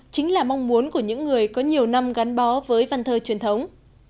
chính là mong muốn của những người có nhiều năm gắn bó với văn thơ truyền thống